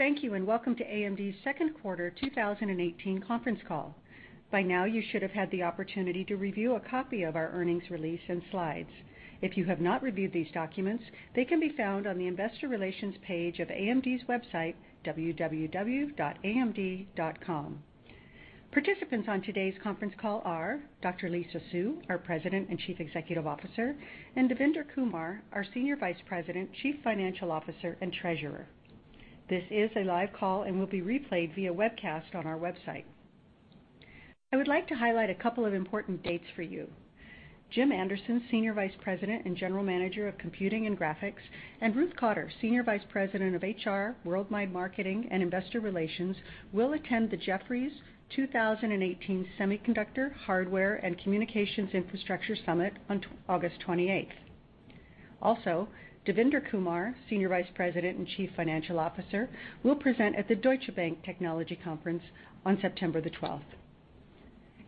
Thank you, welcome to AMD's second quarter 2018 conference call. By now, you should have had the opportunity to review a copy of our earnings release and slides. If you have not reviewed these documents, they can be found on the investor relations page of www.amd.com. Participants on today's conference call are Dr. Lisa Su, our President and Chief Executive Officer, and Devinder Kumar, our Senior Vice President, Chief Financial Officer, and Treasurer. This is a live call and will be replayed via webcast on our website. I would like to highlight a couple of important dates for you. Jim Anderson, Senior Vice President and General Manager of Computing and Graphics, and Ruth Cotter, Senior Vice President of HR, Worldwide Marketing, and Investor Relations, will attend the Jefferies 2018 Semiconductor, Hardware, and Communications Infrastructure Summit on August 28th. Devinder Kumar, Senior Vice President and Chief Financial Officer, will present at the Deutsche Bank Technology Conference on September the 12th.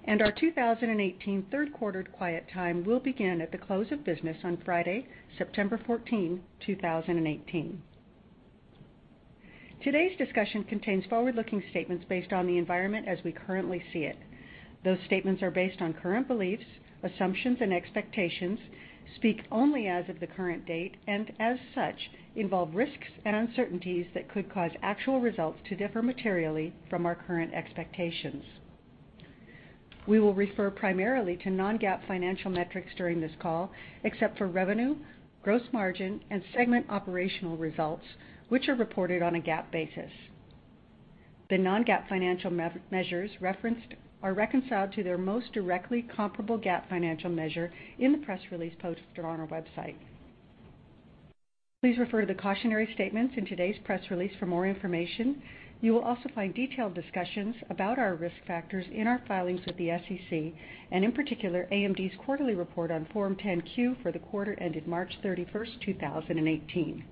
Our 2018 third quarter quiet time will begin at the close of business on Friday, September 14, 2018. Today's discussion contains forward-looking statements based on the environment as we currently see it. Those statements are based on current beliefs, assumptions, and expectations, speak only as of the current date, and as such, involve risks and uncertainties that could cause actual results to differ materially from our current expectations. We will refer primarily to non-GAAP financial metrics during this call, except for revenue, gross margin, and segment operational results, which are reported on a GAAP basis. The non-GAAP financial measures referenced are reconciled to their most directly comparable GAAP financial measure in the press release posted on our website. Please refer to the cautionary statements in today's press release for more information. You will also find detailed discussions about our risk factors in our filings with the SEC and, in particular, AMD's quarterly report on Form 10-Q for the quarter ended March 31st, 2018.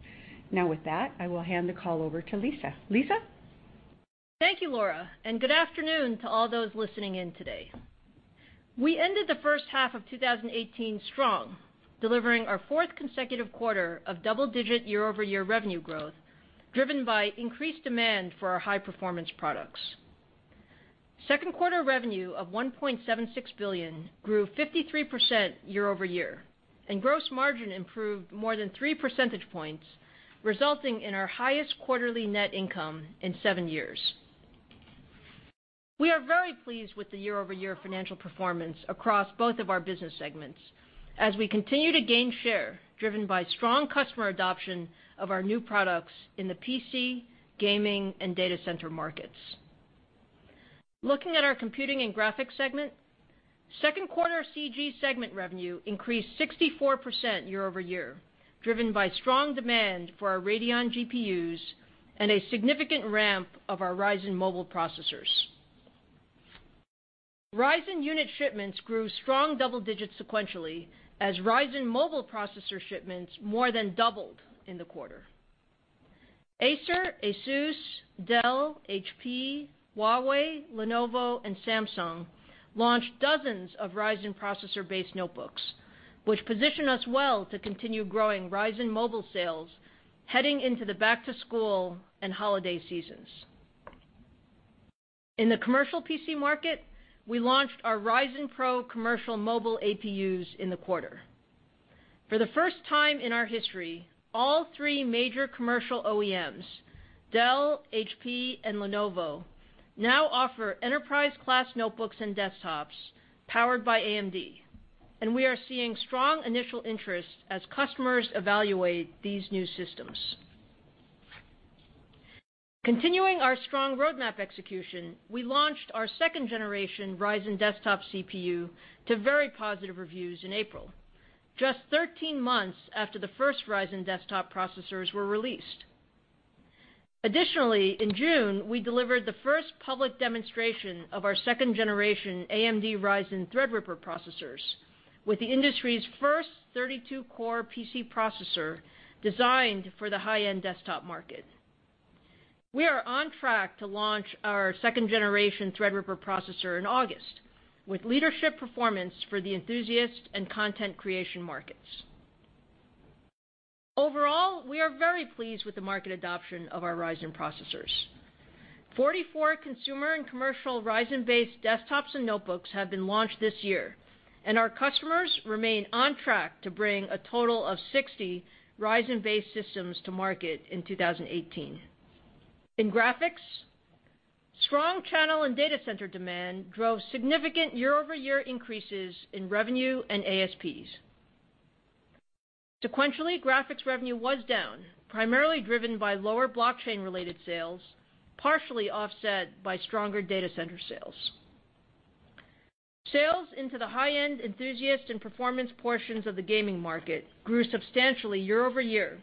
With that, I will hand the call over to Lisa. Lisa? Thank you, Laura, good afternoon to all those listening in today. We ended the first half of 2018 strong, delivering our fourth consecutive quarter of double-digit year-over-year revenue growth, driven by increased demand for our high-performance products. Second quarter revenue of $1.76 billion grew 53% year-over-year, and gross margin improved more than three percentage points, resulting in our highest quarterly net income in seven years. We are very pleased with the year-over-year financial performance across both of our business segments as we continue to gain share driven by strong customer adoption of our new products in the PC, gaming, and data center markets. Looking at our Computing and Graphics segment, second quarter CG segment revenue increased 64% year-over-year, driven by strong demand for our Radeon GPUs and a significant ramp of our Ryzen mobile processors. Ryzen unit shipments grew strong double digits sequentially as Ryzen mobile processor shipments more than doubled in the quarter. Acer, ASUS, Dell, HP, Huawei, Lenovo, and Samsung launched dozens of Ryzen processor-based notebooks, which position us well to continue growing Ryzen mobile sales heading into the back-to-school and holiday seasons. In the commercial PC market, we launched our Ryzen PRO commercial mobile APUs in the quarter. For the first time in our history, all three major commercial OEMs, Dell, HP, and Lenovo, now offer enterprise-class notebooks and desktops powered by AMD, and we are seeing strong initial interest as customers evaluate these new systems. Continuing our strong roadmap execution, we launched our second generation Ryzen desktop CPU to very positive reviews in April, just 13 months after the first Ryzen desktop processors were released. In June, we delivered the first public demonstration of our second generation AMD Ryzen Threadripper processors with the industry's first 32-core PC processor designed for the high-end desktop market. We are on track to launch our second generation Threadripper processor in August with leadership performance for the enthusiast and content creation markets. Overall, we are very pleased with the market adoption of our Ryzen processors. 44 consumer and commercial Ryzen-based desktops and notebooks have been launched this year, and our customers remain on track to bring a total of 60 Ryzen-based systems to market in 2018. In graphics, strong channel and data center demand drove significant year-over-year increases in revenue and ASPs. Sequentially, graphics revenue was down, primarily driven by lower blockchain-related sales, partially offset by stronger data center sales. Sales into the high-end enthusiast and performance portions of the gaming market grew substantially year-over-year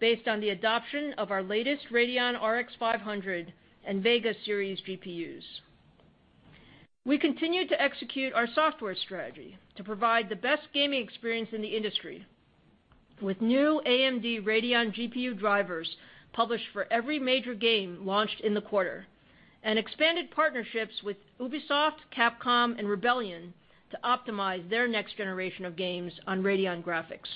based on the adoption of our latest Radeon RX 500 and Vega series GPUs. We continued to execute our software strategy to provide the best gaming experience in the industry with new AMD Radeon GPU drivers published for every major game launched in the quarter. Expanded partnerships with Ubisoft, Capcom, and Rebellion to optimize their next generation of games on Radeon Graphics.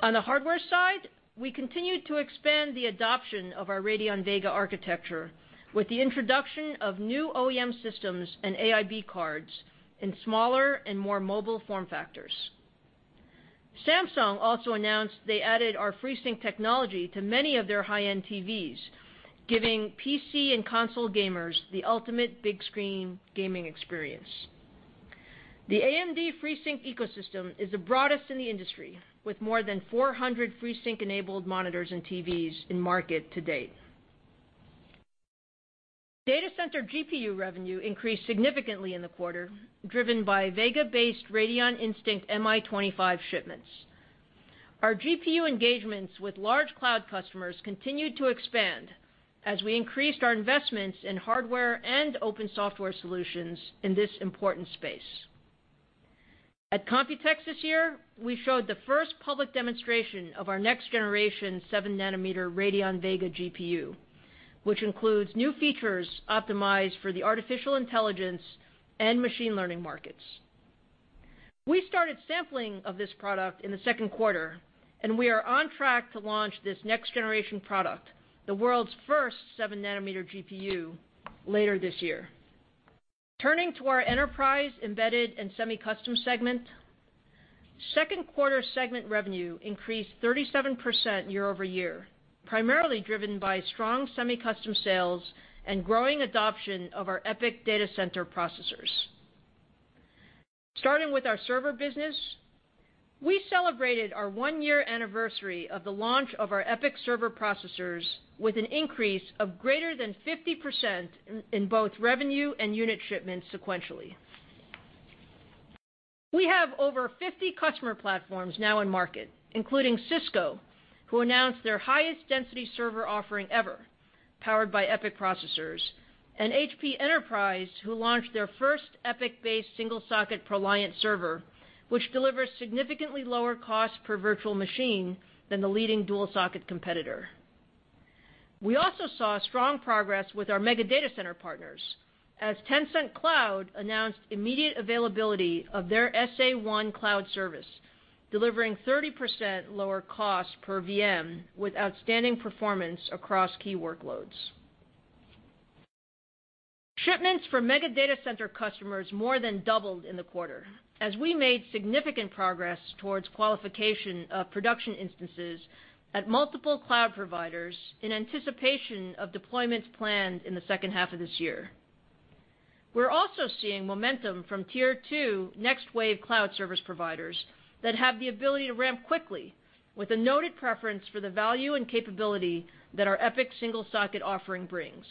On the hardware side, we continued to expand the adoption of our Radeon Vega architecture with the introduction of new OEM systems and AIB cards in smaller and more mobile form factors. Samsung also announced they added our FreeSync technology to many of their high-end TVs, giving PC and console gamers the ultimate big screen gaming experience. The AMD FreeSync ecosystem is the broadest in the industry, with more than 400 FreeSync-enabled monitors and TVs in market to date. Data center GPU revenue increased significantly in the quarter, driven by Vega-based Radeon Instinct MI25 shipments. Our GPU engagements with large cloud customers continued to expand as we increased our investments in hardware and open software solutions in this important space. At Computex this year, we showed the first public demonstration of our next-generation seven nanometer Radeon Vega GPU, which includes new features optimized for the artificial intelligence and machine learning markets. We started sampling of this product in the second quarter, and we are on track to launch this next-generation product, the world's first seven nanometer GPU, later this year. Turning to our enterprise, embedded, and semi-custom segment, second quarter segment revenue increased 37% year-over-year, primarily driven by strong semi-custom sales and growing adoption of our EPYC data center processors. Starting with our server business, we celebrated our one-year anniversary of the launch of our EPYC server processors with an increase of greater than 50% in both revenue and unit shipments sequentially. We have over 50 customer platforms now in market, including Cisco, who announced their highest density server offering ever, powered by EPYC processors, and HP Enterprise, who launched their first EPYC-based single-socket ProLiant server, which delivers significantly lower cost per virtual machine than the leading dual-socket competitor. We also saw strong progress with our mega data center partners, as Tencent Cloud announced immediate availability of their SA1 cloud service, delivering 30% lower cost per VM with outstanding performance across key workloads. Shipments for mega data center customers more than doubled in the quarter as we made significant progress towards qualification of production instances at multiple cloud providers in anticipation of deployments planned in the second half of this year. We're also seeing momentum from tier 2 next-wave cloud service providers that have the ability to ramp quickly with a noted preference for the value and capability that our EPYC single-socket offering brings.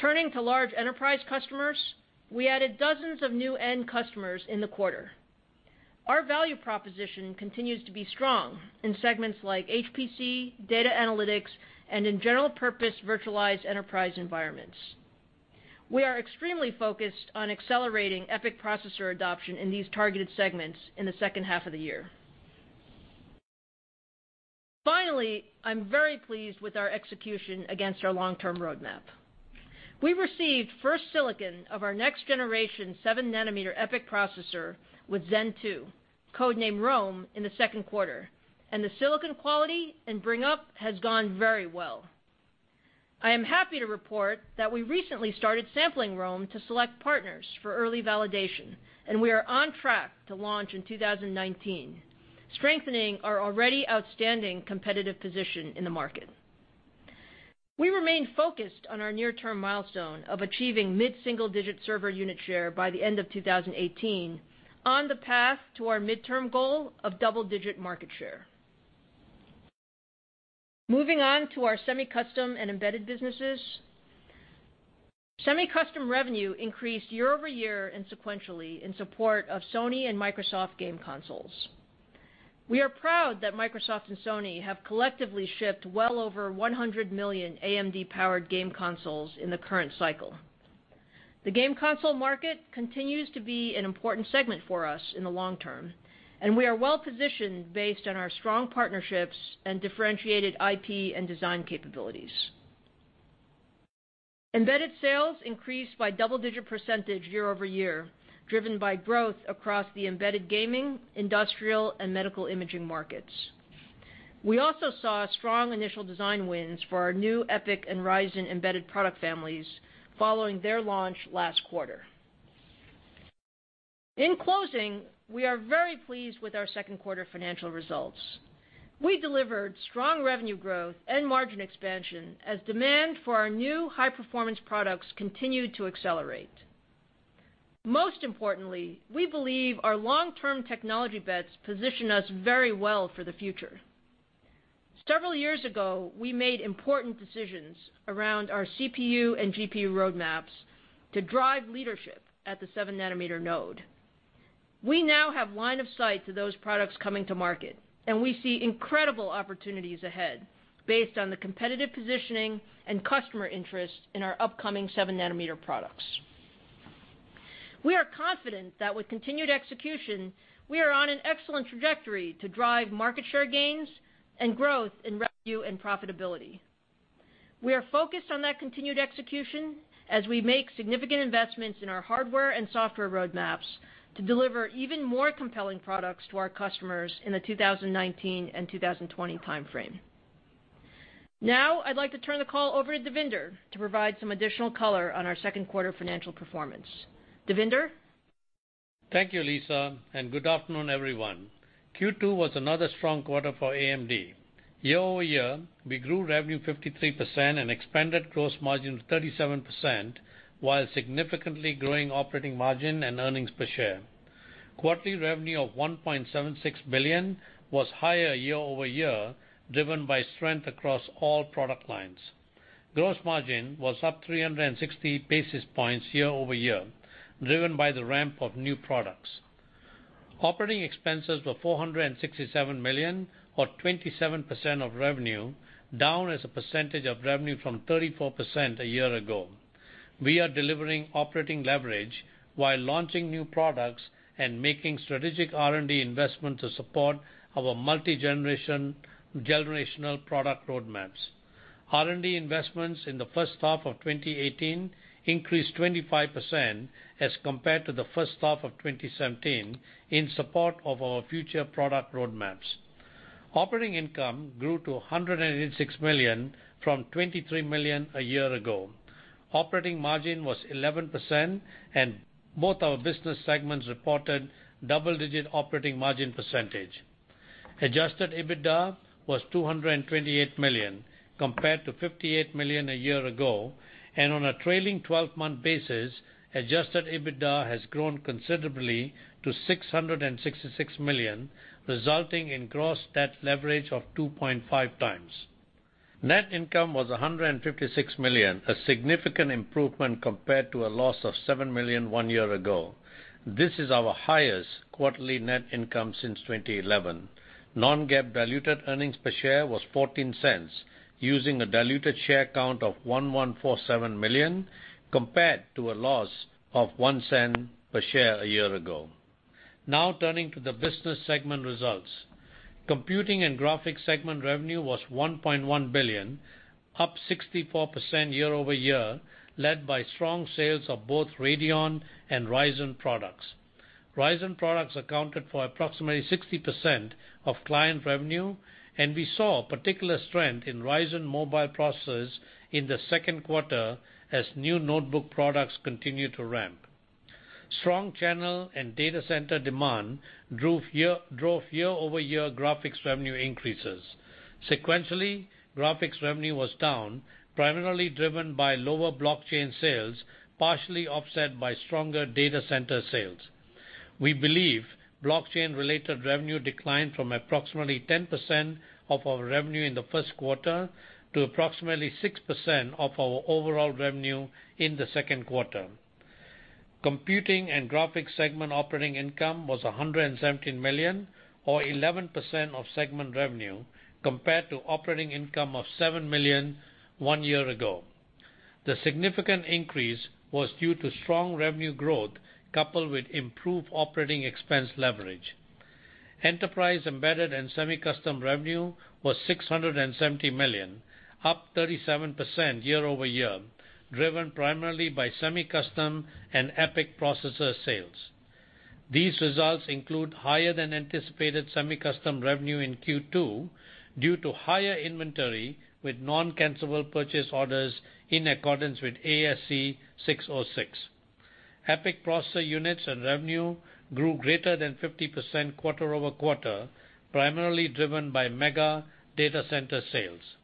Turning to large enterprise customers, we added dozens of new end customers in the quarter. Our value proposition continues to be strong in segments like HPC, data analytics, and in general purpose virtualized enterprise environments. We are extremely focused on accelerating EPYC processor adoption in these targeted segments in the second half of the year. Finally, I'm very pleased with our execution against our long-term roadmap. We received first silicon of our next-generation seven nanometer EPYC processor with Zen 2, code-named Rome, in the second quarter. The silicon quality and bringup has gone very well. I am happy to report that we recently started sampling Rome to select partners for early validation, and we are on track to launch in 2019, strengthening our already outstanding competitive position in the market. We remain focused on our near-term milestone of achieving mid-single-digit server unit share by the end of 2018, on the path to our midterm goal of double-digit market share. Moving on to our semi-custom and embedded businesses. Semi-custom revenue increased year-over-year and sequentially in support of Sony and Microsoft game consoles. We are proud that Microsoft and Sony have collectively shipped well over 100 million AMD-powered game consoles in the current cycle. The game console market continues to be an important segment for us in the long term. We are well-positioned based on our strong partnerships and differentiated IP and design capabilities. Embedded sales increased by double-digit percentage year-over-year, driven by growth across the embedded gaming, industrial, and medical imaging markets. We also saw strong initial design wins for our new EPYC and Ryzen embedded product families following their launch last quarter. In closing, we are very pleased with our second quarter financial results. We delivered strong revenue growth and margin expansion as demand for our new high-performance products continued to accelerate. Most importantly, we believe our long-term technology bets position us very well for the future. Several years ago, we made important decisions around our CPU and GPU roadmaps to drive leadership at the seven nanometer node. We now have line of sight to those products coming to market, and we see incredible opportunities ahead based on the competitive positioning and customer interest in our upcoming 7 nanometer products. We are confident that with continued execution, we are on an excellent trajectory to drive market share gains and growth in revenue and profitability. We are focused on that continued execution as we make significant investments in our hardware and software roadmaps to deliver even more compelling products to our customers in the 2019 and 2020 timeframe. I'd like to turn the call over to Devinder to provide some additional color on our second quarter financial performance. Devinder? Thank you, Lisa. Good afternoon, everyone. Q2 was another strong quarter for AMD. Year-over-year, we grew revenue 53% and expanded gross margin to 37%, while significantly growing operating margin and earnings per share. Quarterly revenue of $1.76 billion was higher year-over-year, driven by strength across all product lines. Gross margin was up 360 basis points year-over-year, driven by the ramp of new products. Operating expenses were $467 million or 27% of revenue, down as a percentage of revenue from 34% a year ago. We are delivering operating leverage while launching new products and making strategic R&D investments to support our multi-generational product roadmaps. R&D investments in the first half of 2018 increased 25% as compared to the first half of 2017 in support of our future product roadmaps. Operating income grew to $186 million from $23 million a year ago. Operating margin was 11%, both our business segments reported double-digit operating margin percentage. Adjusted EBITDA was $228 million compared to $58 million a year ago. On a trailing 12-month basis, adjusted EBITDA has grown considerably to $666 million, resulting in gross debt leverage of 2.5 times. Net income was $156 million, a significant improvement compared to a loss of $7 million 1 year ago. This is our highest quarterly net income since 2011. Non-GAAP diluted earnings per share was $0.14, using a diluted share count of 1,147 million compared to a loss of $0.01 per share a year ago. Turning to the business segment results. Computing and Graphics Segment revenue was $1.1 billion, up 64% year-over-year, led by strong sales of both Radeon and Ryzen products. Ryzen products accounted for approximately 60% of client revenue. We saw particular strength in Ryzen mobile processors in the second quarter as new notebook products continued to ramp. Strong channel and data center demand drove year-over-year graphics revenue increases. Sequentially, graphics revenue was down, primarily driven by lower blockchain sales, partially offset by stronger data center sales. We believe blockchain-related revenue declined from approximately 10% of our revenue in the first quarter to approximately 6% of our overall revenue in the second quarter. Computing and Graphics Segment operating income was $117 million or 11% of segment revenue, compared to operating income of $7 million 1 year ago. The significant increase was due to strong revenue growth coupled with improved operating expense leverage. Enterprise, Embedded, and Semi-Custom Segment revenue was $670 million, up 37% year-over-year, driven primarily by semi-custom and EPYC processor sales. These results include higher-than-anticipated semi-custom revenue in Q2 due to higher inventory with non-cancelable purchase orders in accordance with ASC 606. EPYC processor units and revenue grew greater than 50% quarter-over-quarter, primarily driven by mega data center sales.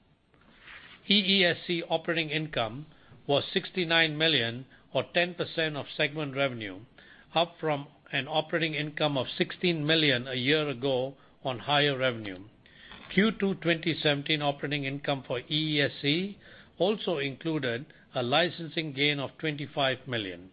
EESC operating income was $69 million or 10% of segment revenue, up from an operating income of $16 million a year ago on higher revenue. Q2 2017 operating income for EESC also included a licensing gain of $25 million.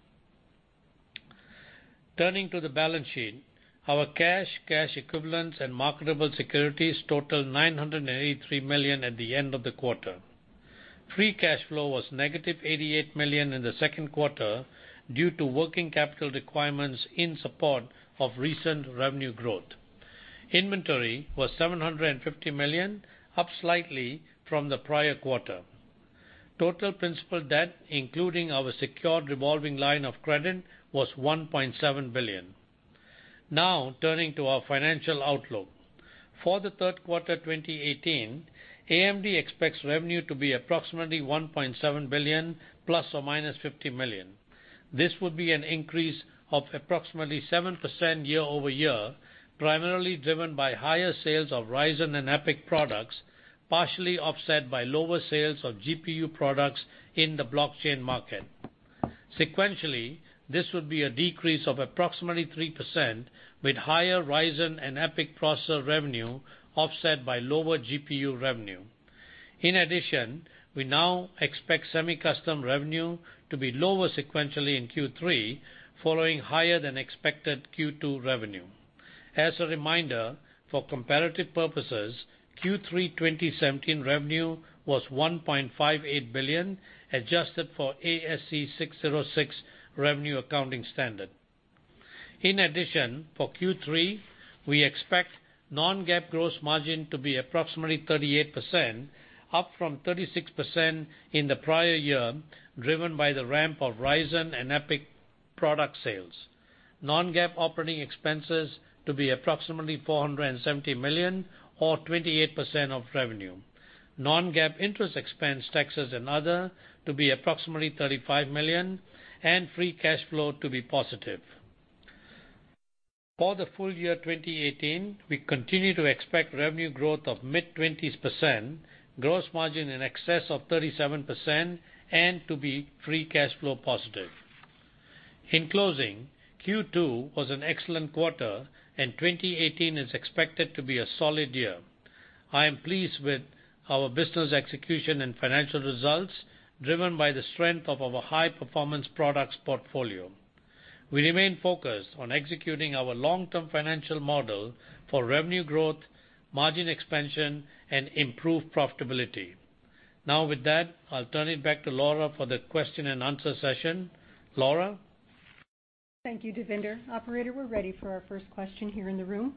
Turning to the balance sheet, our cash equivalents, and marketable securities totaled $983 million at the end of the quarter. Free cash flow was negative $88 million in the second quarter due to working capital requirements in support of recent revenue growth. Inventory was $750 million, up slightly from the prior quarter. Total principal debt, including our secured revolving line of credit, was $1.7 billion. Turning to our financial outlook. For the third quarter 2018, AMD expects revenue to be approximately $1.7 billion ±$50 million. This would be an increase of approximately 7% year-over-year, primarily driven by higher sales of Ryzen and EPYC products, partially offset by lower sales of GPU products in the blockchain market. Sequentially, this would be a decrease of approximately 3% with higher Ryzen and EPYC processor revenue offset by lower GPU revenue. In addition, we now expect semi-custom revenue to be lower sequentially in Q3 following higher-than-expected Q2 revenue. As a reminder, for comparative purposes, Q3 2017 revenue was $1.58 billion, adjusted for ASC 606 revenue accounting standard. In addition, for Q3, we expect non-GAAP gross margin to be approximately 38%, up from 36% in the prior year, driven by the ramp of Ryzen and EPYC product sales. Non-GAAP operating expenses to be approximately $470 million or 28% of revenue. Non-GAAP interest expense, taxes, and other to be approximately $35 million and free cash flow to be positive. For the full year 2018, we continue to expect revenue growth of mid-20s%, gross margin in excess of 37%, and to be free cash flow positive. In closing, Q2 was an excellent quarter, and 2018 is expected to be a solid year. I am pleased with our business execution and financial results, driven by the strength of our high-performance products portfolio. We remain focused on executing our long-term financial model for revenue growth, margin expansion, and improved profitability. With that, I'll turn it back to Laura for the question and answer session. Laura? Thank you, Devinder. Operator, we're ready for our first question here in the room.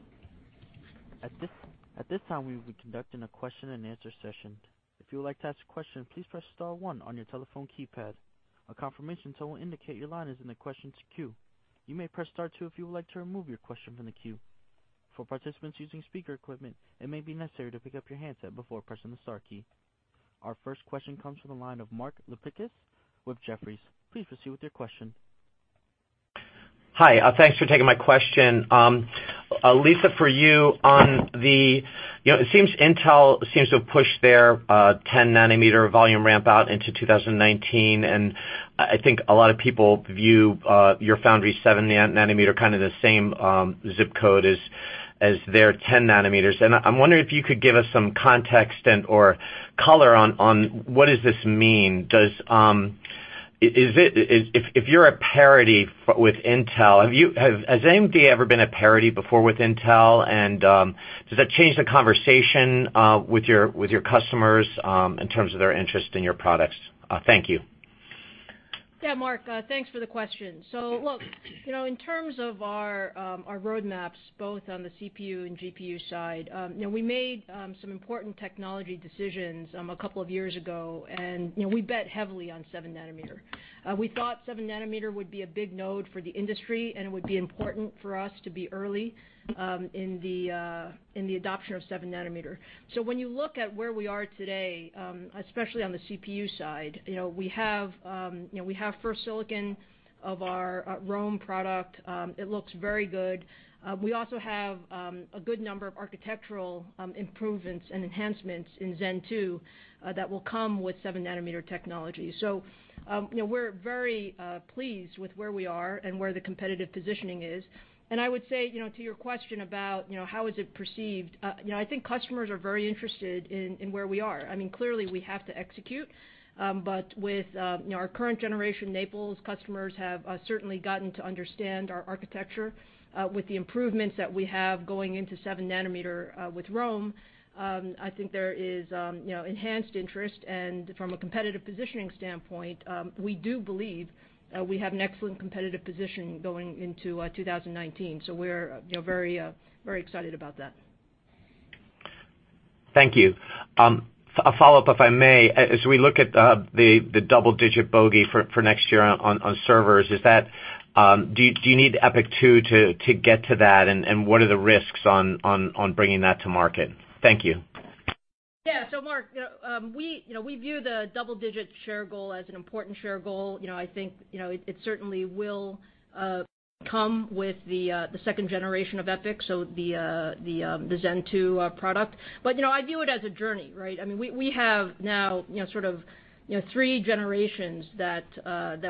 At this time, we will be conducting a question-and-answer session. If you would like to ask a question, please press star one on your telephone keypad. A confirmation tone will indicate your line is in the questions queue. You may press star two if you would like to remove your question from the queue. For participants using speaker equipment, it may be necessary to pick up your handset before pressing the star key. Our first question comes from the line of Mark Lipacis with Jefferies. Please proceed with your question. Hi. Thanks for taking my question. Lisa, for you, Intel seems to have pushed their 10 nanometer volume ramp out into 2019. I think a lot of people view your foundry seven nanometer kind of the same ZIP code as their 10 nanometers. I'm wondering if you could give us some context and/or color on what does this mean. If you're at parity with Intel, has AMD ever been at parity before with Intel? Does that change the conversation with your customers in terms of their interest in your products? Thank you. Yeah, Mark, thanks for the question. Look, in terms of our roadmaps, both on the CPU and GPU side, we made some important technology decisions a couple of years ago, and we bet heavily on seven nanometer. We thought seven nanometer would be a big node for the industry, and it would be important for us to be early in the adoption of seven nanometer. When you look at where we are today, especially on the CPU side, we have first silicon of our Rome product. It looks very good. We also have a good number of architectural improvements and enhancements in Zen 2 that will come with seven nanometer technology. We're very pleased with where we are and where the competitive positioning is. I would say to your question about how is it perceived, I think customers are very interested in where we are. Clearly, we have to execute. With our current generation Naples customers have certainly gotten to understand our architecture. With the improvements that we have going into seven nanometer with Rome, I think there is enhanced interest. From a competitive positioning standpoint, we do believe we have an excellent competitive position going into 2019. We're very excited about that. Thank you. A follow-up, if I may. As we look at the double-digit bogey for next year on servers, do you need EPYC 2 to get to that, and what are the risks on bringing that to market? Thank you. Yeah. Mark, we view the double-digit share goal as an important share goal. I think it certainly will come with the second generation of EPYC, so the Zen 2 product. I view it as a journey, right? We have now sort of three generations that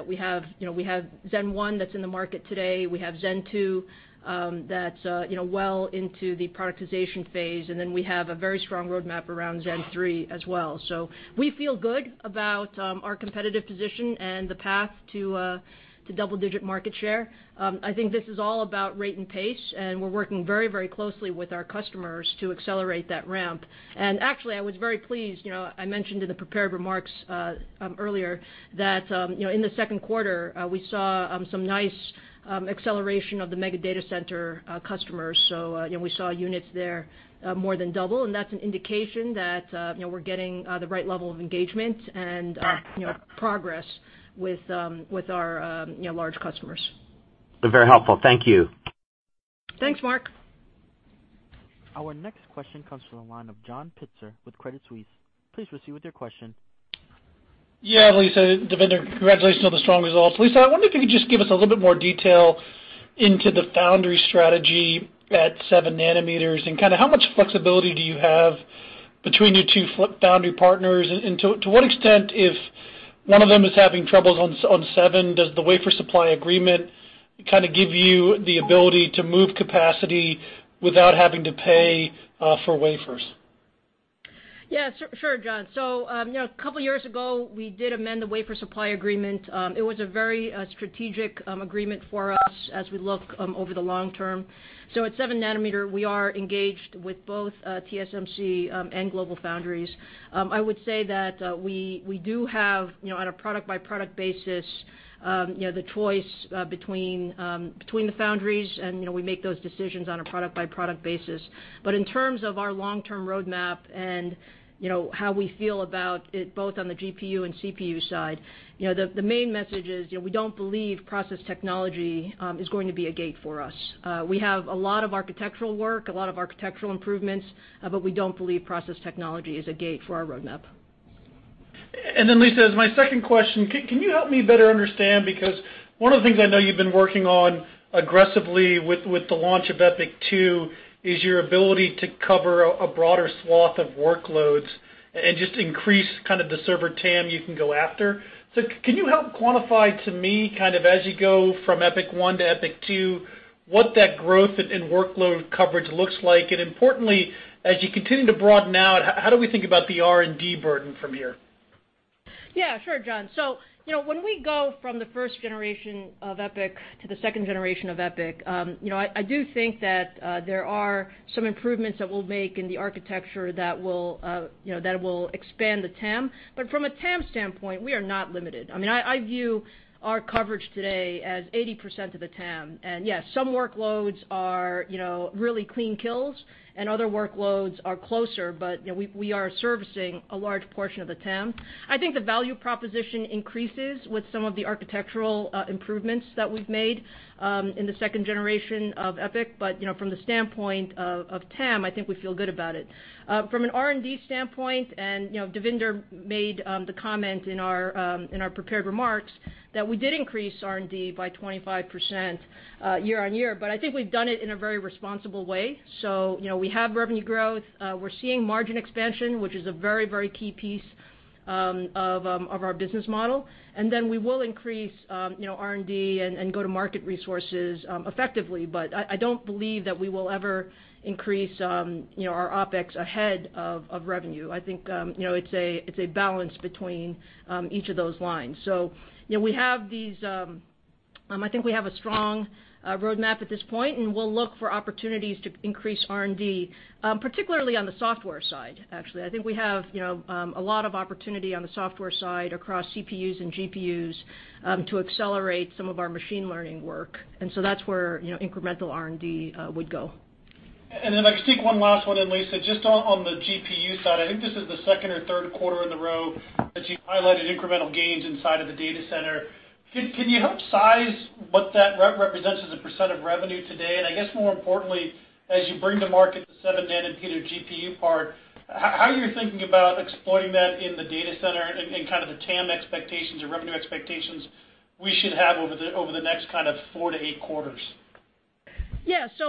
we have. We have Zen 1 that's in the market today, we have Zen 2 that's well into the productization phase, and then we have a very strong roadmap around Zen 3 as well. We feel good about our competitive position and the path to double-digit market share. I think this is all about rate and pace, and we're working very closely with our customers to accelerate that ramp. Actually, I was very pleased, I mentioned in the prepared remarks earlier that in the second quarter, we saw some nice acceleration of the mega data center customers. We saw units there more than double, and that's an indication that we're getting the right level of engagement and progress with our large customers. Very helpful. Thank you. Thanks, Mark. Our next question comes from the line of John Pitzer with Credit Suisse. Please proceed with your question. Yeah, Lisa, Devinder, congratulations on the strong results. Lisa, I wonder if you could just give us a little bit more detail into the foundry strategy at 7 nanometers, and how much flexibility do you have between your two foundry partners, and to what extent, if one of them is having troubles on 7, does the wafer supply agreement give you the ability to move capacity without having to pay for wafers? Yes, sure, John. A couple of years ago, we did amend the wafer supply agreement. It was a very strategic agreement for us as we look over the long term. At seven nanometer, we are engaged with both TSMC and GlobalFoundries. I would say that we do have, on a product-by-product basis, the choice between the foundries, and we make those decisions on a product-by-product basis. In terms of our long-term roadmap and how we feel about it both on the GPU and CPU side, the main message is we don't believe process technology is going to be a gate for us. We have a lot of architectural work, a lot of architectural improvements, but we don't believe process technology is a gate for our roadmap. Lisa, as my second question, can you help me better understand, because one of the things I know you've been working on aggressively with the launch of EPYC 2 is your ability to cover a broader swath of workloads and just increase the server TAM you can go after. Can you help quantify to me as you go from EPYC 1 to EPYC 2, what that growth and workload coverage looks like? Importantly, as you continue to broaden out, how do we think about the R&D burden from here? Yeah, sure, John. When we go from the first generation of EPYC to the second generation of EPYC, I do think that there are some improvements that we'll make in the architecture that will expand the TAM. From a TAM standpoint, we are not limited. I view our coverage today as 80% of the TAM. Yes, some workloads are really clean kills and other workloads are closer, but we are servicing a large portion of the TAM. I think the value proposition increases with some of the architectural improvements that we've made in the second generation of EPYC, from the standpoint of TAM, I think we feel good about it. From an R&D standpoint, Devinder made the comment in our prepared remarks that we did increase R&D by 25% year-on-year. I think we've done it in a very responsible way. We have revenue growth. We're seeing margin expansion, which is a very key piece of our business model. We will increase R&D and go-to-market resources effectively, I don't believe that we will ever increase our OpEx ahead of revenue. I think it's a balance between each of those lines. I think we have a strong roadmap at this point, we'll look for opportunities to increase R&D, particularly on the software side, actually. I think we have a lot of opportunity on the software side across CPUs and GPUs to accelerate some of our machine learning work, that's where incremental R&D would go. If I could sneak one last one in, Lisa, just on the GPU side. I think this is the second or third quarter in a row that you've highlighted incremental gains inside of the data center. Can you help size what that represents as a percent of revenue today? I guess more importantly, as you bring to market the seven-nanometer GPU part, how are you thinking about exploiting that in the data center and the TAM expectations or revenue expectations we should have over the next four to eight quarters?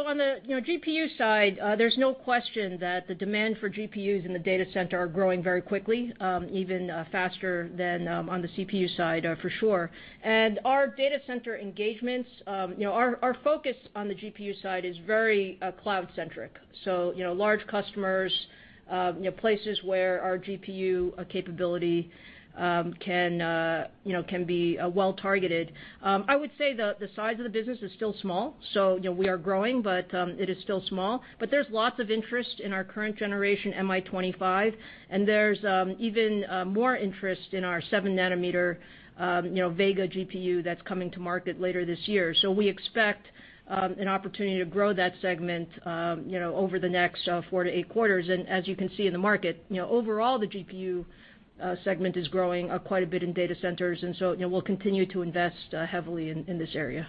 On the GPU side, there's no question that the demand for GPUs in the data center are growing very quickly, even faster than on the CPU side for sure. Our focus on the GPU side is very cloud-centric. Large customers, places where our GPU capability can be well-targeted. I would say the size of the business is still small. We are growing, but it is still small. There's lots of interest in our current generation MI25, there's even more interest in our seven-nanometer Vega GPU that's coming to market later this year. We expect an opportunity to grow that segment over the next four to eight quarters. As you can see in the market, overall, the GPU segment is growing quite a bit in data centers, we'll continue to invest heavily in this area.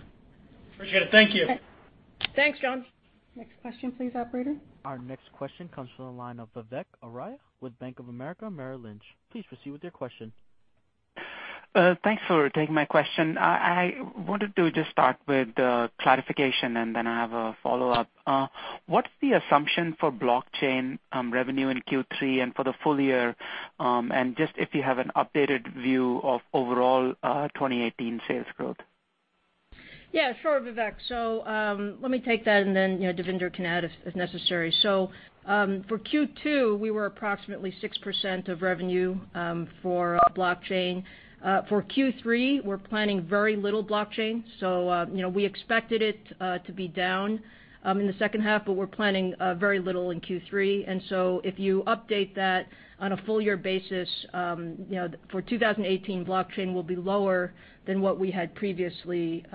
Appreciate it. Thank you. Thanks, John. Next question, please, operator. Our next question comes from the line of Vivek Arya with Bank of America Merrill Lynch. Please proceed with your question. Thanks for taking my question. I wanted to just start with clarification, then I have a follow-up. What's the assumption for blockchain revenue in Q3 and for the full year? Just if you have an updated view of overall 2018 sales growth. Yeah, sure, Vivek. Let me take that, then Devinder can add if necessary. For Q2, we were approximately 6% of revenue for blockchain. For Q3, we're planning very little blockchain. We expected it to be down in the second half, but we're planning very little in Q3. If you update that on a full year basis, for 2018, blockchain will be lower than what we had previously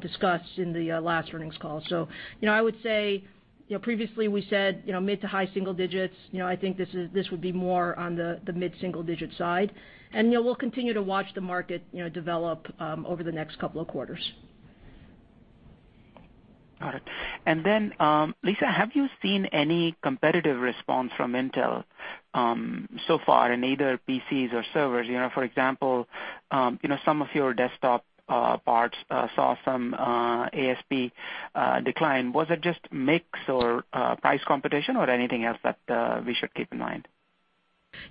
discussed in the last earnings call. I would say previously we said mid to high single digits. I think this would be more on the mid-single digit side. We'll continue to watch the market develop over the next couple of quarters. Got it. Lisa, have you seen any competitive response from Intel so far in either PCs or servers? For example, some of your desktop parts saw some ASP decline. Was it just mix or price competition or anything else that we should keep in mind?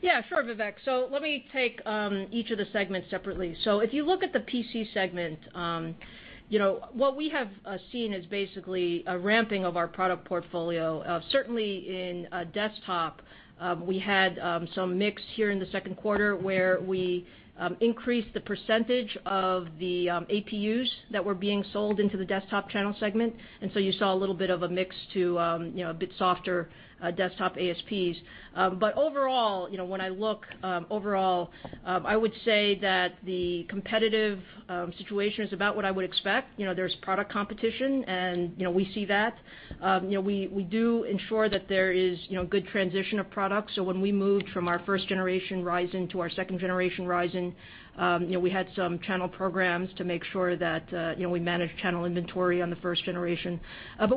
Yeah, sure, Vivek. Let me take each of the segments separately. If you look at the PC segment, what we have seen is basically a ramping of our product portfolio. Certainly in desktop, we had some mix here in the second quarter where we increased the percentage of the APUs that were being sold into the desktop channel segment. You saw a little bit of a mix to a bit softer desktop ASPs. When I look overall, I would say that the competitive situation is about what I would expect. There's product competition, and we see that. We do ensure that there is good transition of products. When we moved from our first generation Ryzen to our second generation Ryzen, we had some channel programs to make sure that we managed channel inventory on the first generation.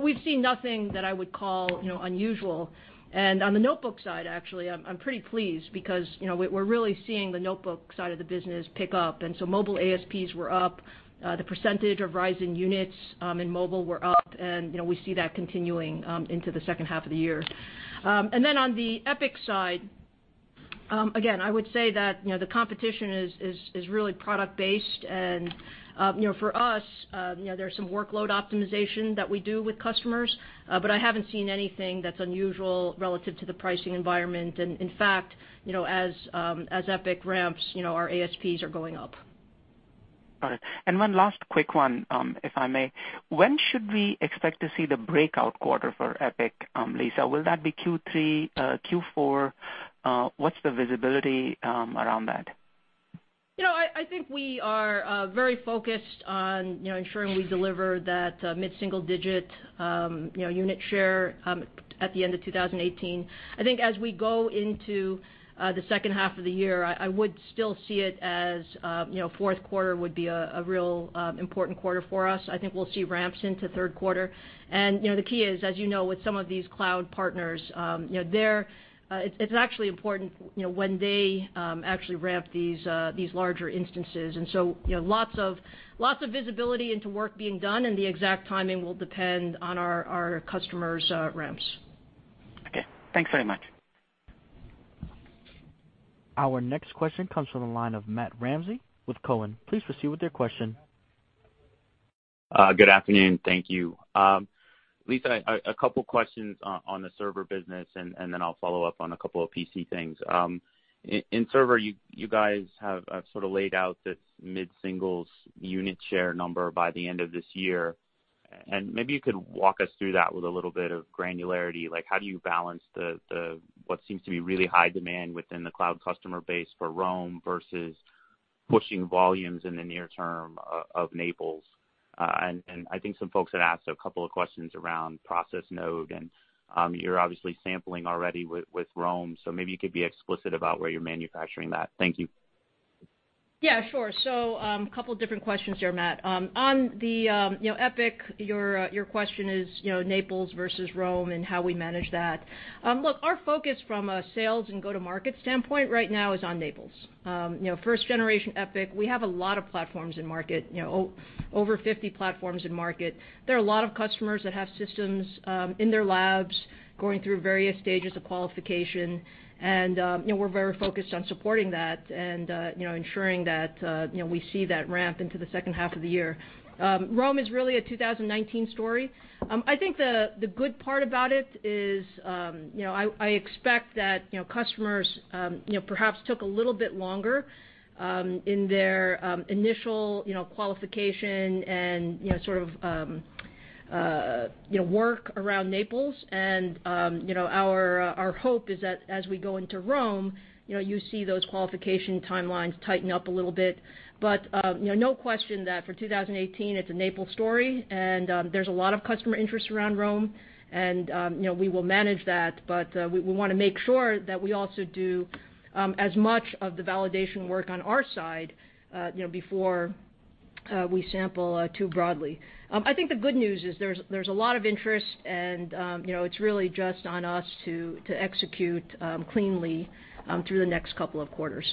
We've seen nothing that I would call unusual. On the notebook side, actually, I'm pretty pleased because we're really seeing the notebook side of the business pick up. Mobile ASPs were up, the percentage of Ryzen units in mobile were up, and we see that continuing into the second half of the year. On the EPYC side, again, I would say that the competition is really product-based, and for us, there's some workload optimization that we do with customers. I haven't seen anything that's unusual relative to the pricing environment. In fact, as EPYC ramps, our ASPs are going up. Got it. One last quick one, if I may. When should we expect to see the breakout quarter for EPYC, Lisa? Will that be Q3, Q4? What's the visibility around that? I think we are very focused on ensuring we deliver that mid-single-digit unit share at the end of 2018. I think as we go into the second half of the year, I would still see it as fourth quarter would be a real important quarter for us. I think we'll see ramps into third quarter. The key is, as you know, with some of these cloud partners, it's actually important when they actually ramp these larger instances. Lots of visibility into work being done, and the exact timing will depend on our customers' ramps. Okay. Thanks very much. Our next question comes from the line of Matthew Ramsay with Cowen. Please proceed with your question. Good afternoon. Thank you. Lisa, a couple questions on the server business. Then I'll follow up on a couple of PC things. In server, you guys have sort of laid out this mid-singles unit share number by the end of this year. Maybe you could walk us through that with a little bit of granularity, like how do you balance what seems to be really high demand within the cloud customer base for Rome versus pushing volumes in the near term of Naples? I think some folks had asked a couple of questions around process node, and you're obviously sampling already with Rome, so maybe you could be explicit about where you're manufacturing that. Thank you. Yeah, sure. Couple different questions there, Matt. On the EPYC, your question is, Naples versus Rome and how we manage that. Look, our focus from a sales and go-to-market standpoint right now is on Naples. First generation EPYC, we have a lot of platforms in market, over 50 platforms in market. There are a lot of customers that have systems in their labs going through various stages of qualification. We're very focused on supporting that and ensuring that we see that ramp into the second half of the year. Rome is really a 2019 story. I think the good part about it is, I expect that customers perhaps took a little bit longer in their initial qualification and sort of work around Naples. Our hope is that as we go into Rome, you see those qualification timelines tighten up a little bit. No question that for 2018, it's a Naples story, and there's a lot of customer interest around Rome. We will manage that, but we want to make sure that we also do as much of the validation work on our side before we sample too broadly. I think the good news is there's a lot of interest and it's really just on us to execute cleanly through the next couple of quarters.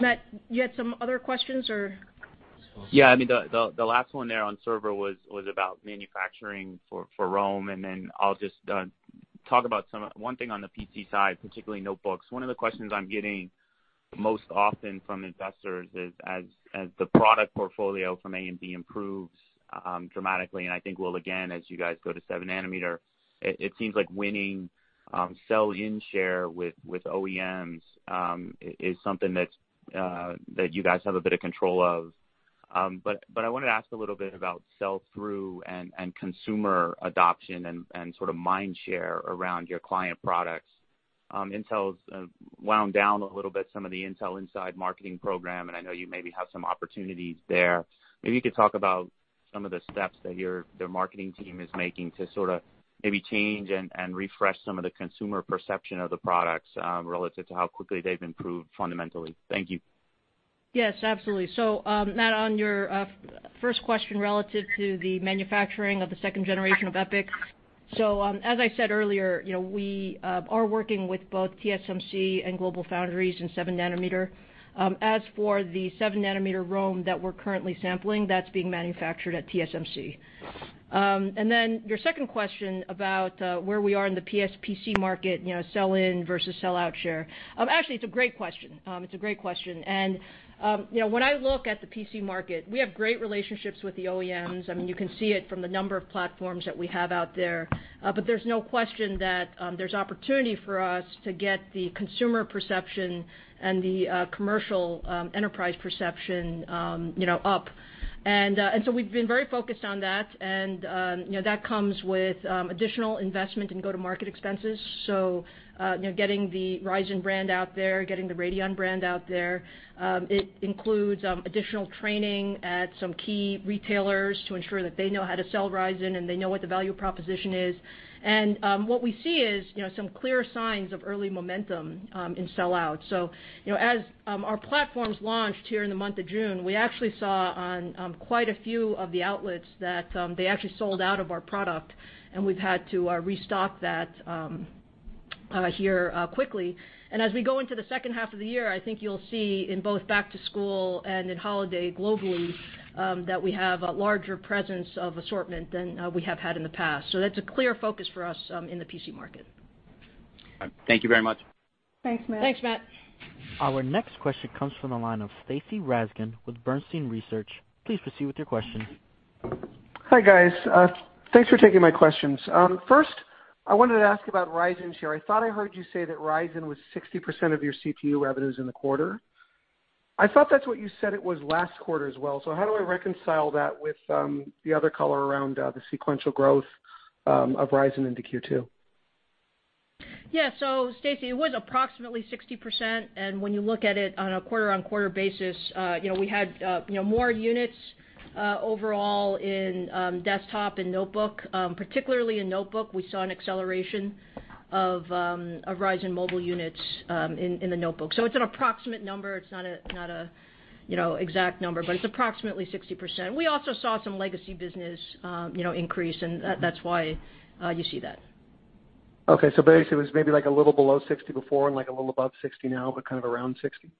Matt, you had some other questions, or? The last one there on server was about manufacturing for Rome, and then I'll just talk about one thing on the PC side, particularly notebooks. One of the questions I'm getting most often from investors is as the product portfolio from AMD improves dramatically, and I think will again as you guys go to 7 nanometer, it seems like winning sell-in share with OEMs is something that you guys have a bit of control of. I wanted to ask a little bit about sell-through and consumer adoption and sort of mind share around your client products. Intel's wound down a little bit some of the Intel Inside marketing program, and I know you maybe have some opportunities there. Maybe you could talk about some of the steps that your marketing team is making to sort of maybe change and refresh some of the consumer perception of the products relative to how quickly they've improved fundamentally. Thank you. Yes, absolutely. Matt, on your first question relative to the manufacturing of the second generation of EPYC. As I said earlier, we are working with both TSMC and GlobalFoundries in 7 nanometer. As for the 7 nanometer Rome that we're currently sampling, that's being manufactured at TSMC. Your second question about where we are in the PC market, sell in versus sell out share. Actually, it's a great question. When I look at the PC market, we have great relationships with the OEMs. I mean, you can see it from the number of platforms that we have out there. There's no question that there's opportunity for us to get the consumer perception and the commercial enterprise perception up. We've been very focused on that, and that comes with additional investment in go-to-market expenses. Getting the Ryzen brand out there, getting the Radeon brand out there. It includes additional training at some key retailers to ensure that they know how to sell Ryzen, and they know what the value proposition is. What we see is some clear signs of early momentum in sell-out. As our platforms launched here in the month of June, we actually saw on quite a few of the outlets that they actually sold out of our product, and we've had to restock that here quickly. As we go into the second half of the year, I think you'll see in both back to school and in holiday globally, that we have a larger presence of assortment than we have had in the past. That's a clear focus for us in the PC market. Thank you very much. Thanks, Matt. Our next question comes from the line of Stacy Rasgon with Bernstein Research. Please proceed with your question. Hi, guys. Thanks for taking my questions. First, I wanted to ask about Ryzen share. I thought I heard you say that Ryzen was 60% of your CPU revenues in the quarter. I thought that's what you said it was last quarter as well. How do I reconcile that with the other color around the sequential growth of Ryzen into Q2? Yeah. Stacy, it was approximately 60%. When you look at it on a quarter-on-quarter basis, we had more units overall in desktop and notebook. Particularly in notebook, we saw an acceleration of Ryzen mobile units in the notebook. It's an approximate number. It's not an exact number, but it's approximately 60%. We also saw some legacy business increase, and that's why you see that. Okay. Basically, it was maybe a little below 60 before and a little above 60 now, but kind of around 60?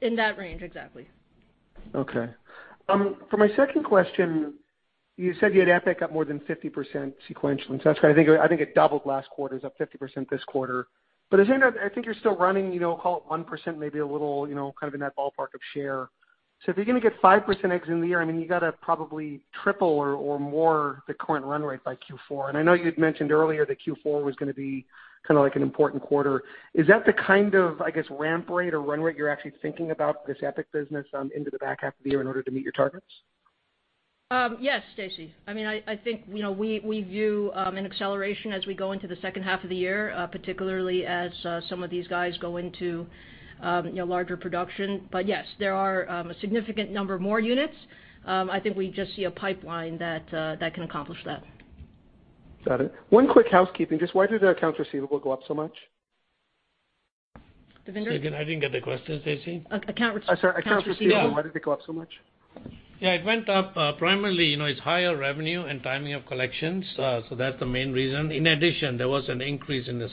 In that range, exactly. Okay. For my second question, you said you had EPYC up more than 50% sequentially. That's great. I think it doubled last quarter, it's up 50% this quarter. I think you're still running, call it 1%, maybe a little, kind of in that ballpark of share. If you're going to get 5% exit in the year, I mean, you got to probably triple or more the current run rate by Q4. I know you had mentioned earlier that Q4 was going to be an important quarter. Is that the kind of, I guess, ramp rate or run rate you're actually thinking about this EPYC business into the back half of the year in order to meet your targets? Yes, Stacy. I think we view an acceleration as we go into the second half of the year, particularly as some of these guys go into larger production. Yes, there are a significant number more units. I think we just see a pipeline that can accomplish that. Got it. One quick housekeeping, just why did the accounts receivable go up so much? Devinder? Stacy, I didn't get the question, Stacy. Account receivable. Sorry, accounts receivable, why did it go up so much? Yeah, it went up primarily, it's higher revenue and timing of collections, so that's the main reason. In addition, there was an increase in this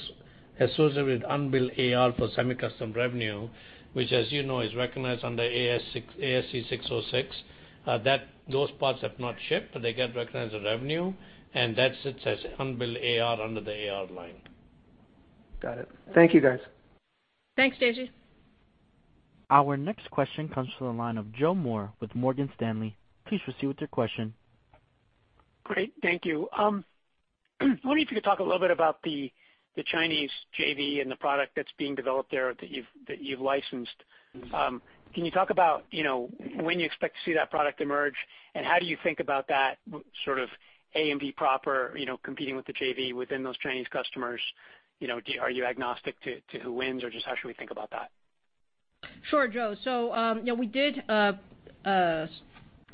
associated unbilled AR for semi-custom revenue, which as you know, is recognized under ASC 606. Those parts have not shipped, but they get recognized as revenue, and that sits as unbilled AR under the AR line. Got it. Thank you, guys. Thanks, Stacy. Our next question comes from the line of Joe Moore with Morgan Stanley. Please proceed with your question. Great. Thank you. I was wondering if you could talk a little bit about the Chinese JV and the product that's being developed there that you've licensed. Can you talk about when you expect to see that product emerge, and how do you think about that sort of AMD proper competing with the JV within those Chinese customers? Are you agnostic to who wins, or just how should we think about that? Sure, Joe. We did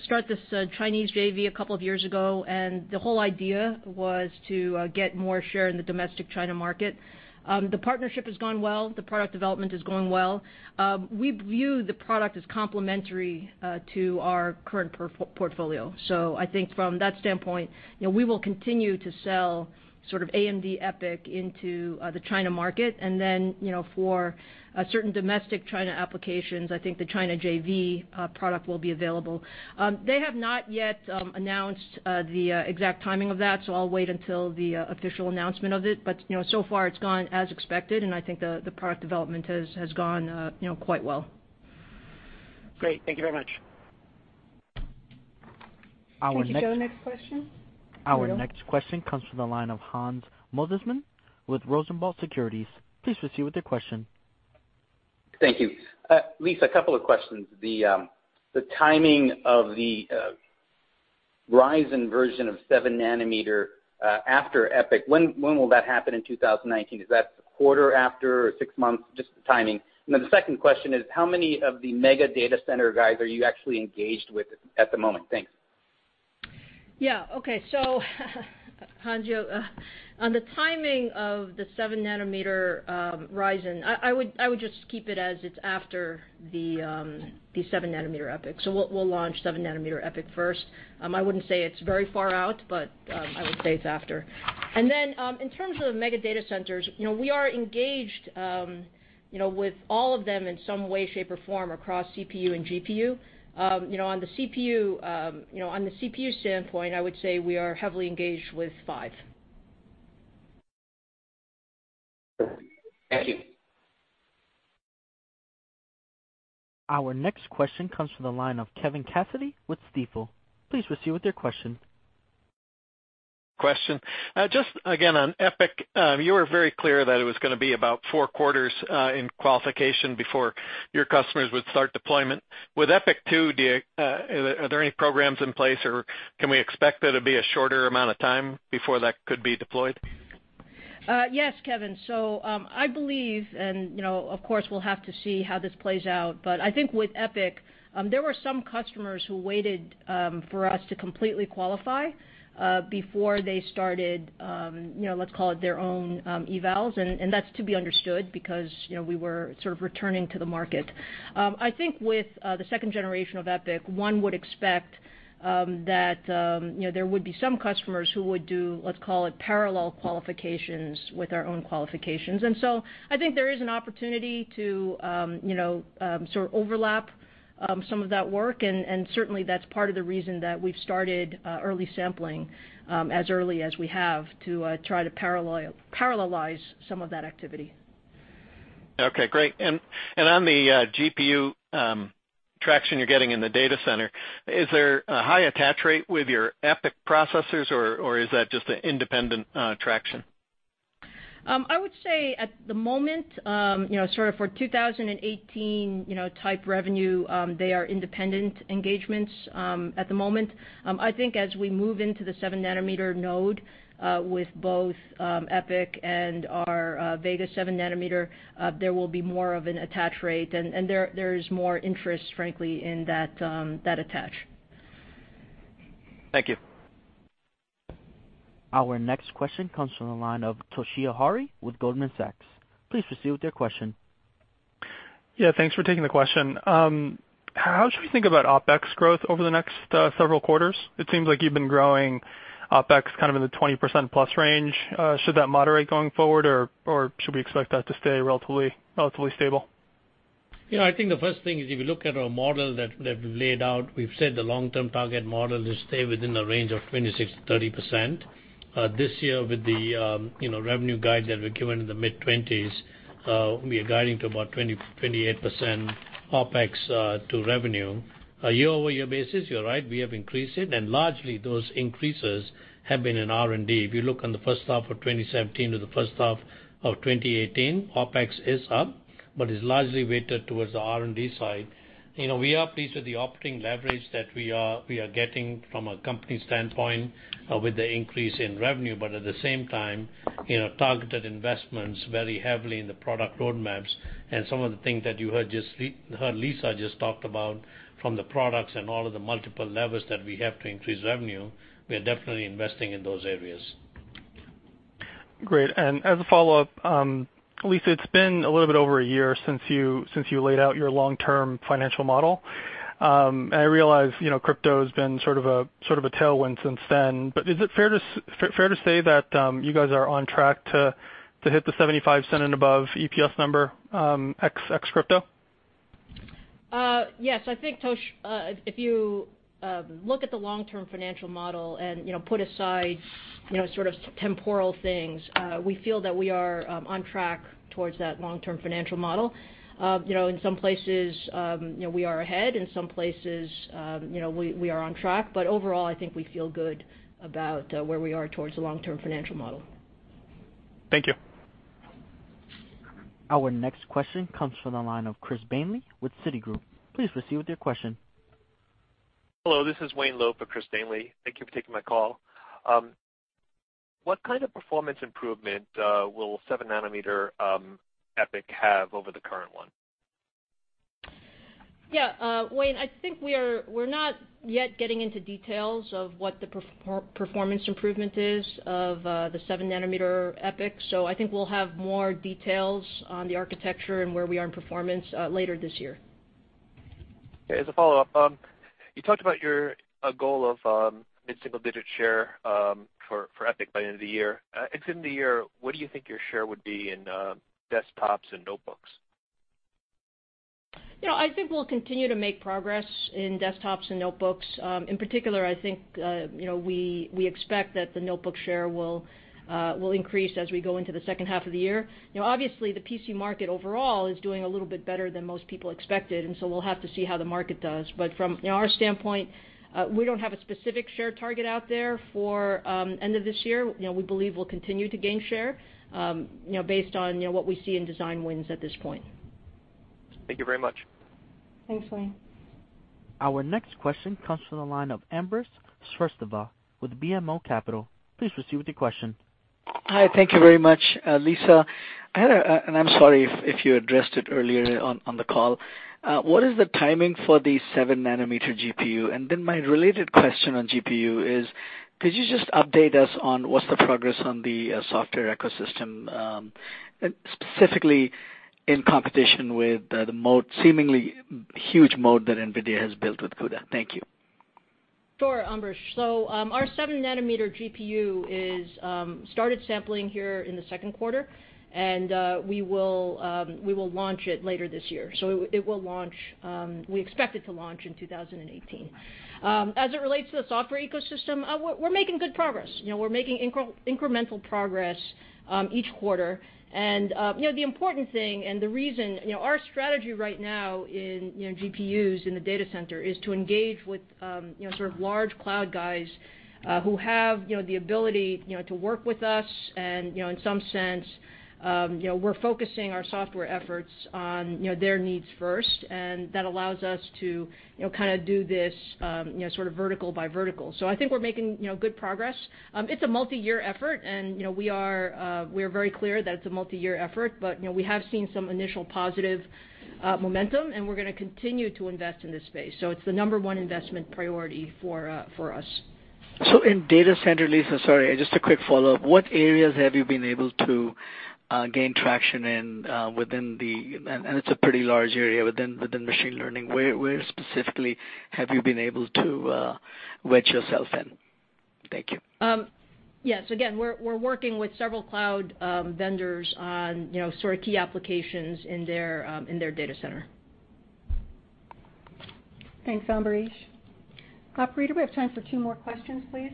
start this Chinese JV a couple of years ago, and the whole idea was to get more share in the domestic China market. The partnership has gone well. The product development is going well. We view the product as complementary to our current portfolio. I think from that standpoint, we will continue to sell sort of AMD EPYC into the China market. Then, for certain domestic China applications, I think the China JV product will be available. They have not yet announced the exact timing of that, so I'll wait until the official announcement of it. So far, it's gone as expected, and I think the product development has gone quite well. Great. Thank you very much. Thank you, Joe. Next question? Our next question comes from the line of Hans Mosesmann with Rosenblatt Securities. Please proceed with your question. Thank you. Lisa, a couple of questions. The timing of the Ryzen version of seven nanometer after EPYC, when will that happen in 2019? Is that a quarter after or six months? Just the timing. The second question is, how many of the mega data center guys are you actually engaged with at the moment? Thanks. Hans, on the timing of the seven nanometer Ryzen, I would just keep it as it's after the seven nanometer EPYC. We'll launch seven nanometer EPYC first. I wouldn't say it's very far out, but I would say it's after. In terms of mega data centers, we are engaged with all of them in some way, shape, or form across CPU and GPU. On the CPU standpoint, I would say we are heavily engaged with five. Thank you. Our next question comes from the line of Kevin Cassidy with Stifel. Please proceed with your question. Question. Just again, on EPYC, you were very clear that it was going to be about four quarters, in qualification before your customers would start deployment. With EPYC 2, are there any programs in place, or can we expect there to be a shorter amount of time before that could be deployed? Yes, Kevin. I believe, and of course, we'll have to see how this plays out, but I think with EPYC, there were some customers who waited for us to completely qualify before they started, let's call it their own evals, and that's to be understood because we were sort of returning to the market. I think with the second generation of EPYC, one would expect that there would be some customers who would do, let's call it parallel qualifications with our own qualifications. I think there is an opportunity to sort of overlap some of that work, and certainly that's part of the reason that we've started early sampling, as early as we have to try to parallelize some of that activity. Okay, great. On the GPU, traction you're getting in the data center, is there a high attach rate with your EPYC processors, or is that just an independent traction? I would say at the moment, sort of for 2018 type revenue, they are independent engagements at the moment. I think as we move into the seven-nanometer node, with both EPYC and our Vega seven nanometer, there will be more of an attach rate, and there's more interest, frankly, in that attach. Thank you. Our next question comes from the line of Toshiya Hari with Goldman Sachs. Please proceed with your question. Yeah, thanks for taking the question. How should we think about OpEx growth over the next several quarters? It seems like you've been growing OpEx kind of in the 20%+ range. Should that moderate going forward, or should we expect that to stay relatively stable? I think the first thing is, if you look at our model that we laid out, we've said the long-term target model is stay within the range of 26%-30%. This year with the revenue guide that we've given in the mid-20s, we are guiding to about 28% OpEx to revenue. A year-over-year basis, you're right, we have increased it, and largely those increases have been in R&D. If you look on the first half of 2017 to the first half of 2018, OpEx is up, but is largely weighted towards the R&D side. We are pleased with the operating leverage that we are getting from a company standpoint with the increase in revenue. At the same time, targeted investments very heavily in the product roadmaps and some of the things that you heard Lisa just talked about from the products and all of the multiple levers that we have to increase revenue. We are definitely investing in those areas. As a follow-up, Lisa, it's been a little bit over one year since you laid out your long-term financial model. I realize crypto has been sort of a tailwind since then, but is it fair to say that you guys are on track to hit the $0.75 and above EPS number, ex crypto? Yes, I think, Tosh, if you look at the long-term financial model and put aside sort of temporal things, we feel that we are on track towards that long-term financial model. In some places we are ahead, in some places we are on track. Overall, I think we feel good about where we are towards the long-term financial model. Thank you. Our next question comes from the line of Christopher Danely with Citigroup. Please proceed with your question. Hello, this is Wayne Loeb for Christopher Danely. Thank you for taking my call. What kind of performance improvement will seven nanometer EPYC have over the current one? Yeah. Wayne, I think we're not yet getting into details of what the performance improvement is of the seven nanometer EPYC. I think we'll have more details on the architecture and where we are in performance later this year. Okay. As a follow-up, you talked about your goal of mid-single digit share for EPYC by end of the year. End of the year, what do you think your share would be in desktops and notebooks? I think we'll continue to make progress in desktops and notebooks. In particular, I think, we expect that the notebook share will increase as we go into the second half of the year. Obviously, the PC market overall is doing a little bit better than most people expected, we'll have to see how the market does. From our standpoint, we don't have a specific share target out there for end of this year. We believe we'll continue to gain share, based on what we see in design wins at this point. Thank you very much. Thanks, Wayne. Our next question comes from the line of Ambrish Srivastava with BMO Capital. Please proceed with your question. Hi. Thank you very much. Lisa, and I'm sorry if you addressed it earlier on the call, what is the timing for the seven nanometer GPU? My related question on GPU is, could you just update us on what's the progress on the software ecosystem, specifically in competition with the seemingly huge moat that NVIDIA has built with CUDA? Thank you. Sure, Ambrish. Our 7 nanometer GPU started sampling here in the second quarter, we will launch it later this year. We expect it to launch in 2018. As it relates to the software ecosystem, we're making good progress. We're making incremental progress each quarter. The important thing and the reason our strategy right now in GPUs in the data center is to engage with large cloud guys who have the ability to work with us. In some sense, we're focusing our software efforts on their needs first, and that allows us to do this vertical by vertical. I think we're making good progress. It's a multi-year effort, we are very clear that it's a multi-year effort, but we have seen some initial positive momentum, and we're going to continue to invest in this space. It's the number one investment priority for us. In data center, Lisa, sorry, just a quick follow-up. What areas have you been able to gain traction in, and it's a pretty large area within machine learning. Where specifically have you been able to wedge yourself in? Thank you. Yes. Again, we're working with several cloud vendors on key applications in their data center. Thanks, Ambrish. Operator, do we have time for two more questions, please?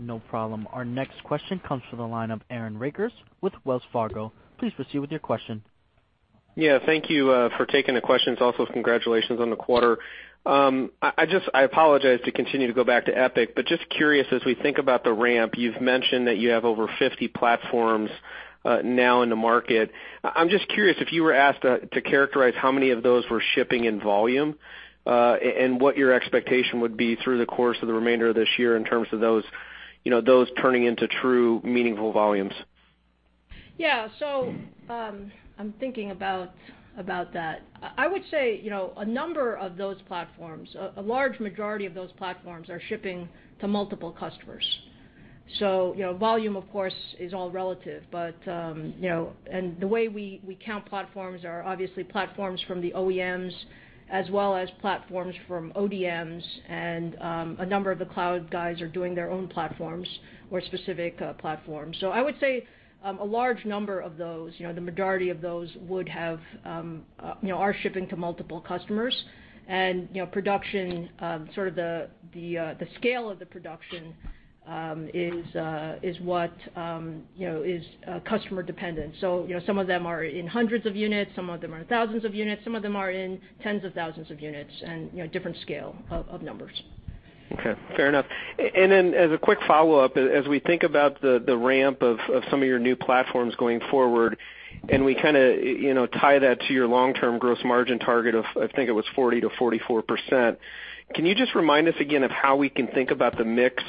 No problem. Our next question comes from the line of Aaron Rakers with Wells Fargo. Please proceed with your question. Yeah. Thank you for taking the questions. Congratulations on the quarter. I apologize to continue to go back to EPYC, just curious, as we think about the ramp, you've mentioned that you have over 50 platforms now in the market. I'm just curious if you were asked to characterize how many of those were shipping in volume, and what your expectation would be through the course of the remainder of this year in terms of those turning into true, meaningful volumes. Yeah. I'm thinking about that. I would say a number of those platforms, a large majority of those platforms are shipping to multiple customers. Volume, of course, is all relative. The way we count platforms are obviously platforms from the OEMs as well as platforms from ODMs, and a number of the cloud guys are doing their own platforms or specific platforms. I would say a large number of those, the majority of those are shipping to multiple customers. Production, sort of the scale of the production is customer dependent. Some of them are in hundreds of units, some of them are in thousands of units, some of them are in tens of thousands of units, and different scale of numbers. Okay. Fair enough. As a quick follow-up, as we think about the ramp of some of your new platforms going forward, and we tie that to your long-term gross margin target of, I think it was 40%-44%, can you just remind us again of how we can think about the mix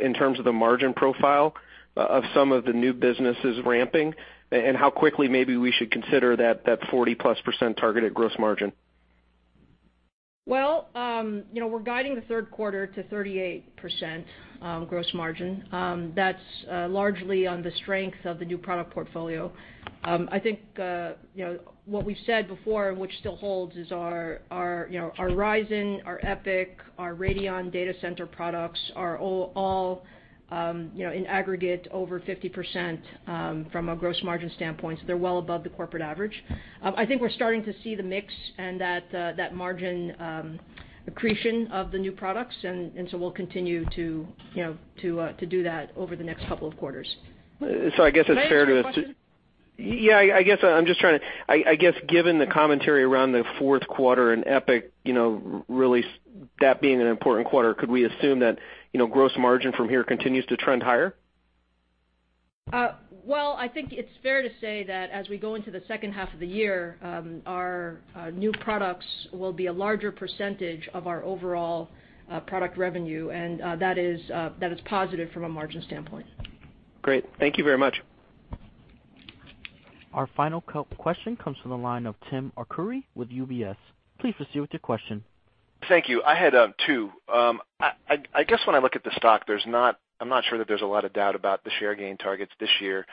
in terms of the margin profile of some of the new businesses ramping, and how quickly maybe we should consider that 40-plus % target at gross margin? Well, we're guiding the third quarter to 38% gross margin. That's largely on the strength of the new product portfolio. I think what we've said before, which still holds, is our Ryzen, our EPYC, our Radeon data center products are all in aggregate over 50% from a gross margin standpoint. They're well above the corporate average. I think we're starting to see the mix and that margin accretion of the new products, we'll continue to do that over the next couple of quarters. I guess it's fair. May I ask a question? Yeah. I guess given the commentary around the fourth quarter and EPYC, really that being an important quarter, could we assume that gross margin from here continues to trend higher? Well, I think it's fair to say that as we go into the second half of the year, our new products will be a larger % of our overall product revenue, and that is positive from a margin standpoint. Great. Thank you very much. Our final question comes from the line of Timothy Arcuri with UBS. Please proceed with your question. Thank you. I had two. I guess when I look at the stock, I'm not sure that there's a lot of doubt about the share gain targets this year,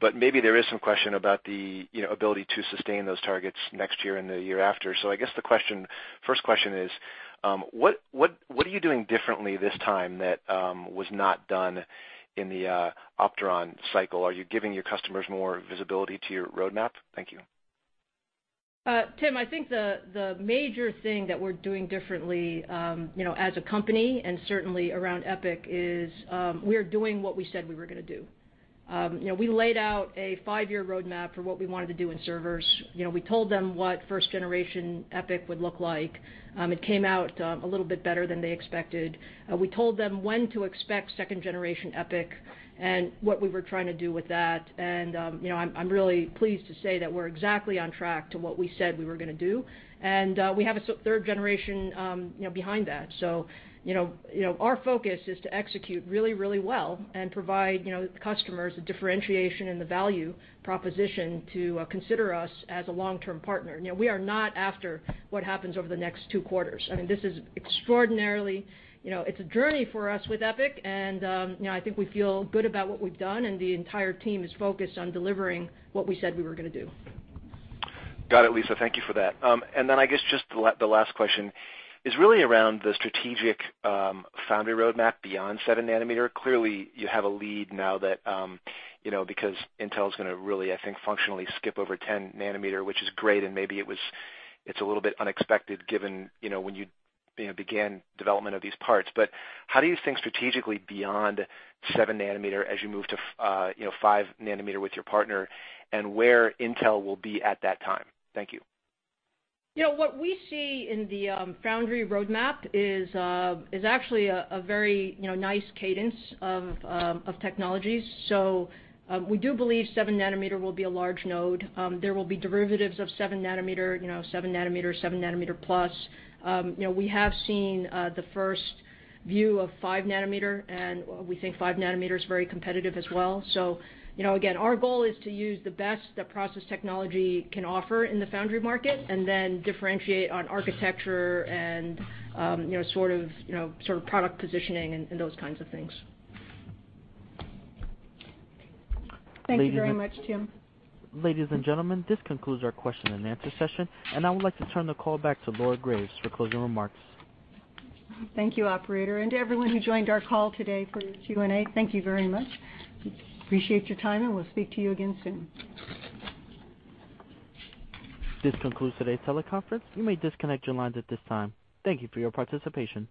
but maybe there is some question about the ability to sustain those targets next year and the year after. I guess the first question is, what are you doing differently this time that was not done in the Opteron cycle? Are you giving your customers more visibility to your roadmap? Thank you. Tim, I think the major thing that we're doing differently as a company, and certainly around EPYC, is we are doing what we said we were going to do. We laid out a five-year roadmap for what we wanted to do in servers. We told them what first generation EPYC would look like. It came out a little bit better than they expected. We told them when to expect second generation EPYC and what we were trying to do with that. I'm really pleased to say that we're exactly on track to what we said we were going to do. We have a third generation behind that. Our focus is to execute really well and provide customers the differentiation and the value proposition to consider us as a long-term partner. We are not after what happens over the next two quarters. This is a journey for us with EPYC, I think we feel good about what we've done, the entire team is focused on delivering what we said we were going to do. Got it, Lisa. Thank you for that. I guess just the last question is really around the strategic foundry roadmap beyond 7 nanometer. Clearly, you have a lead now that because Intel's going to really, I think, functionally skip over 10 nanometer, which is great, maybe it's a little bit unexpected given when you began development of these parts. How do you think strategically beyond 7 nanometer as you move to 5 nanometer with your partner and where Intel will be at that time? Thank you. What we see in the foundry roadmap is actually a very nice cadence of technologies. We do believe 7 nanometer will be a large node. There will be derivatives of 7 nanometer. 7 nanometer, 7 nanometer plus. We have seen the first view of 5 nanometer, we think 5 nanometer is very competitive as well. Again, our goal is to use the best that process technology can offer in the foundry market differentiate on architecture and sort of product positioning and those kinds of things. Thank you very much, Tim. Ladies and gentlemen, this concludes our question and answer session, and I would like to turn the call back to Laura Graves for closing remarks. Thank you, operator. To everyone who joined our call today for Q&A, thank you very much. Appreciate your time, and we'll speak to you again soon. This concludes today's teleconference. You may disconnect your lines at this time. Thank you for your participation.